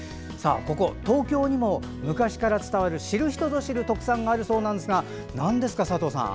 ここ東京にも、昔から伝わる知る人ぞ知る特産があるそうなんですが何ですか佐藤さん。